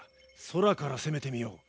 空から攻めてみよう。